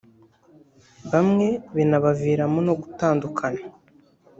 bamwe binabaviramo no gutandukana